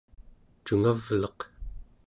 cungavleq